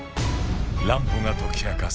乱歩が解き明かす